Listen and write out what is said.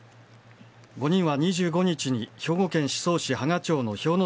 ５人は２５日に兵庫県宍粟市波賀町の氷ノ